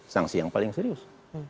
sanksi yang paling serius